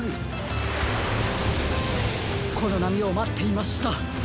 このなみをまっていました。